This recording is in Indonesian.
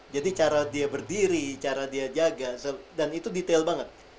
cara dia berdiri cara dia jaga dan itu detail banget